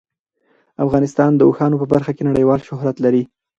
افغانستان د اوښانو په برخه کې نړیوال شهرت لري.